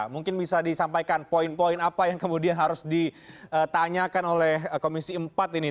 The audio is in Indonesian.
mungkin bisa disampaikan poin poin apa yang kemudian harus ditanyakan oleh komisi empat ini